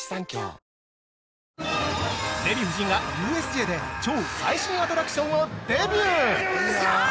◆デヴィ夫人がＵＳＪで超最新アトラクションをデビュー！